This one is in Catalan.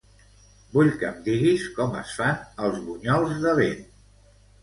Vull que em diguis com es fan els bunyols de vent.